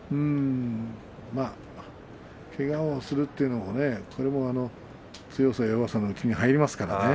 けがをするというのも強さ弱さに入りますからね。